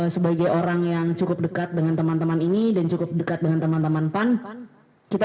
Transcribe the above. sebagai orang yang cukup dekat dengan teman teman ini dan cukup dekat dengan teman teman pan kita